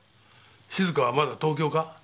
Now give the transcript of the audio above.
静香はまだ東京か？